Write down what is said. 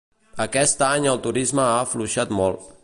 Aquest any el turisme ha afluixat molt.